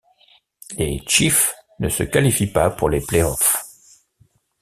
Les Chiefs ne se qualifient pas pour les play-offs.